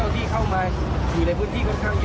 อยู่ในพื้นที่ค่อนข้างเยอะ